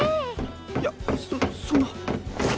いやそっそんな。